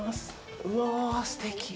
うわあ、すてき。